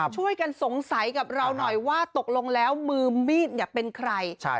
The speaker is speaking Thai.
ช่วยกันสงสัยกับเราหน่อยว่าตกลงแล้วมือมีดเป็นใคร